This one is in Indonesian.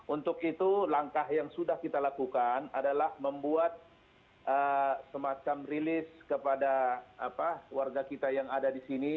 untuk itu langkah yang sudah kita lakukan adalah membuat semacam rilis kepada warga kita yang ada di sini